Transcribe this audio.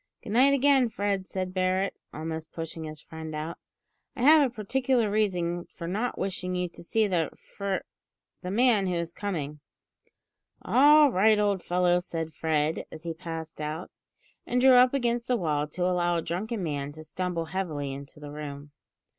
"Good night again, Fred," said Barret, almost pushing his friend out. "I have a particular reason for not wishing you to see the fr , the man who is coming in." "All right, old fellow," said Fred as he passed out, and drew up against the wall to allow a drunken man to stumble heavily into the room.